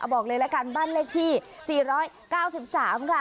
บอกเลยละกันบ้านเลขที่๔๙๓ค่ะ